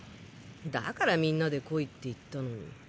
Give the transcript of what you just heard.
だからみんなで来いって言ったのに。